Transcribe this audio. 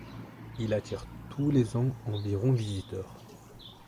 Il attire tous les ans environ visiteurs.